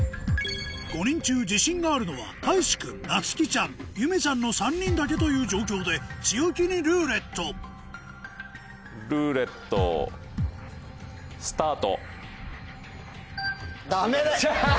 ５人中自信があるのはたいし君なつきちゃんゆめちゃんの３人だけという状況で強気に「ルーレット」ルーレットスタート。